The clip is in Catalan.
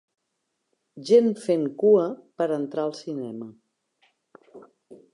Gent fent cua per entrar al cinema